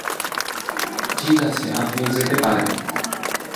ঠিক আছে, আপনি যেতে পারেন।